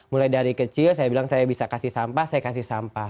mulai dari kecil saya bilang saya bisa kasih sampah saya kasih sampah